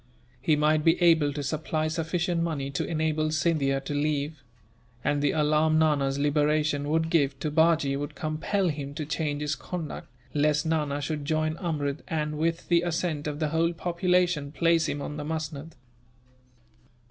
He might be able to supply sufficient money to enable Scindia to leave; and the alarm Nana's liberation would give, to Bajee, would compel him to change his conduct, lest Nana should join Amrud and, with the assent of the whole population, place him on the musnud.